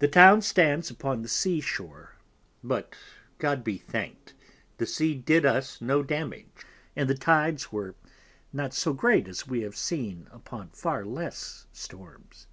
The Town stands upon the Sea shore, but God be thanked the Sea did us no damage; and the Tydes were not so great as we have seen upon far less Storms.